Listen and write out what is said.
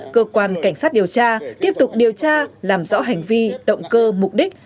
cơ quan cảnh sát điều tra tiếp tục điều tra làm rõ hành vi động cơ mục đích